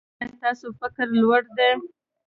ایا ستاسو فکر لوړ دی؟